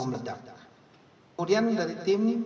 kemudian dari tim